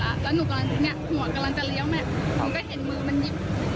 แล้วหนูกำลังเนี่ยหัวกำลังจะเลี้ยวเนี่ยหนูก็เห็นมือมันหยิบ